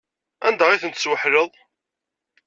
Anda ay tent-tesweḥleḍ?